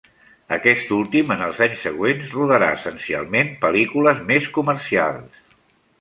Aquest últim, en els anys següents, rodarà essencialment pel·lícules més comercials.